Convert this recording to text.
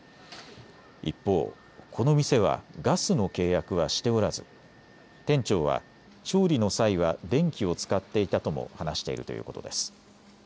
一方、この店はガスの契約はしておらず店長は調理の際は電気を使っていたとも話しているということです。